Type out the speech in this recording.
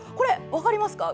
分かりますか？